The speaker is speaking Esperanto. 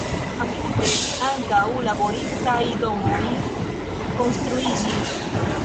Apude ankaŭ laboristaj domoj konstruiĝis.